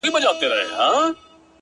o مــروره در څه نـه يمـه ه؛